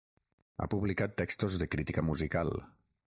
Ha publicat textos de crítica musical.